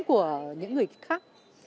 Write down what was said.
của những người khác